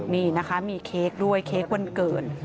นี่นะคะมีเค้กด้วยเค้กวันเกิด